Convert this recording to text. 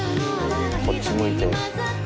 こっち向いて。